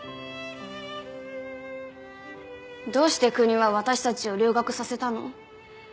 どうして国は私たちを留学させたの？